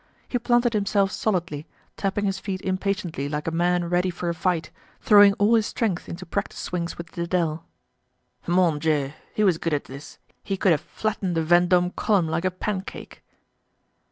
He planted himself solidly, tapping his feet impatiently like a man ready for a fight, throwing all his strength into practice swings with Dedele. Mon Dieu! He was good at this; he could have flattened the Vendome column like a pancake.